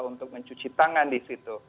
untuk mencuci tangan disitu